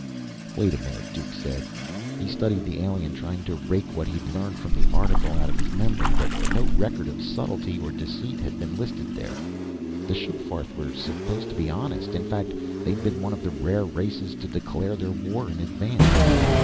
"Wait a minute," Duke said. He studied the alien, trying to rake what he'd learned from the article out of his memory. But no record of subtlety or deceit had been listed there. The Sugfarth were supposed to be honest in fact, they'd been one of the rare races to declare their war in advance.